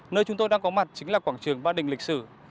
nơi chúng tôi đang có mặt chính là quảng trường ba đình lịch sử